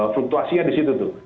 fluktuasinya di situ tuh